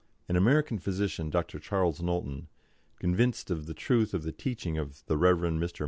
An American physician, Dr. Charles Knowlton, convinced of the truth of the teaching of the Rev. Mr.